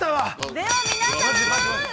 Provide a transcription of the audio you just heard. ◆では皆さん。